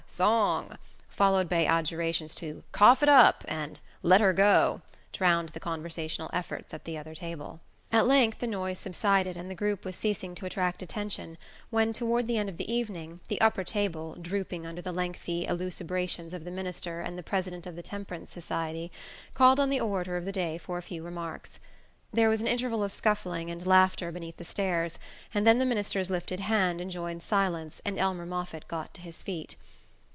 Song!" followed by adjurations to "Cough it up" and "Let her go," drowned the conversational efforts at the other table. At length the noise subsided, and the group was ceasing to attract attention when, toward the end of the evening, the upper table, drooping under the lengthy elucubrations of the minister and the President of the Temperance Society, called on the orator of the day for a few remarks. There was an interval of scuffling and laughter beneath the stairs, and then the minister's lifted hand enjoined silence and Elmer Moffatt got to his feet.